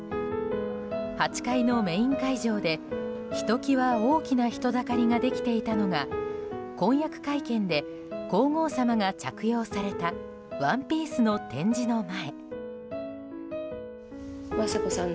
８階のメイン会場で、ひと際大きな人だかりができていたのが婚約会見で皇后さまが着用されたワンピースの展示の前。